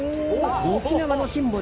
沖縄のシンボル